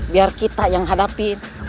biar kita yang hadapin